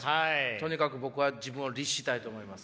とにかく僕は自分を律したいと思います。